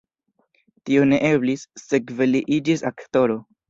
Tio ne eblis, sekve li iĝis aktoro.